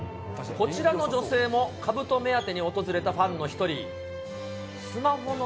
こちらの女性も、かぶと目当てに訪れたファンの一人。